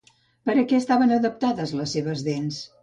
Per a què estaven adaptades les seves dents?